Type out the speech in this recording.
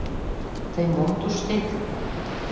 Тый мом туштет?